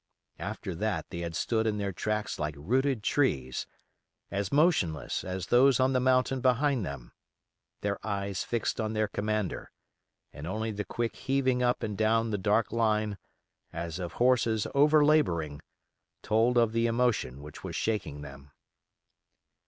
After that they had stood in their tracks like rooted trees, as motionless as those on the mountain behind them, their eyes fixed on their commander, and only the quick heaving up and down the dark line, as of horses over laboring, told of the emotion which was shaking them.